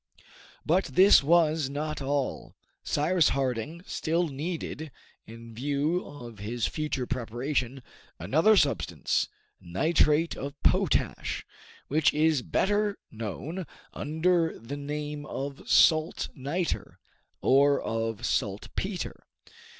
But this was not all. Cyrus Harding still needed, in view of his future preparation, another substance, nitrate of potash, which is better known under the name of salt niter, or of saltpeter.